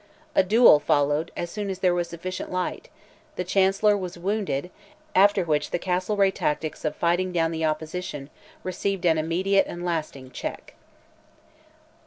A duel followed, as soon as there was sufficient light; the Chancellor was wounded, after which the Castlereagh tactics of "fighting down the opposition," received an immediate and lasting check.